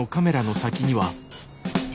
え。